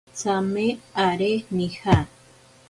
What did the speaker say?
Tsame aré nija.